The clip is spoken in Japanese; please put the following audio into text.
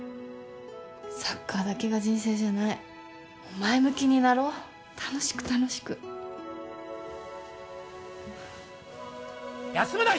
サッカーだけが人生じゃない前向きになろう楽しく楽しく休むな！